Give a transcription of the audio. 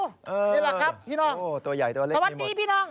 นี่แหละครับพี่น้องสวัสดีพี่น้อง